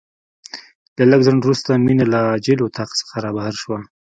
له لږ ځنډ وروسته مينه له عاجل اتاق څخه رابهر شوه.